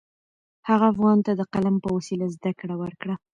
هغه انسان ته د قلم په وسیله زده کړه ورکړه.